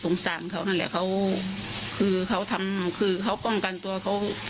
สารเขานั่นแหละเขาคือเขาทำคือเขาป้องกันตัวเขา